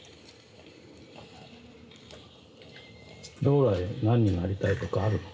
将来何になりたいとかあるの？